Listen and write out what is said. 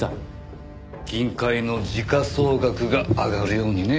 金塊の時価総額が上がるようにね。